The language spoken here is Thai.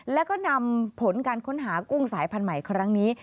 แล้วก็นำผลการค้นหากุ้งสายพันธุ์ใหม่ครั้งนี้